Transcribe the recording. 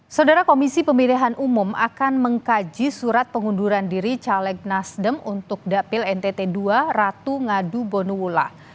saudara komisi pemilihan umum akan mengkaji surat pengunduran diri caleg nasdem untuk dapil ntt ii ratu ngadu bonula